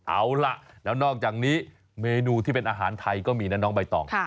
เอาล่ะแล้วนอกจากนี้เมนูที่เป็นอาหารไทยก็มีนะน้องใบตอง